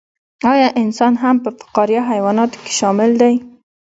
ایا انسان هم په فقاریه حیواناتو کې شامل دی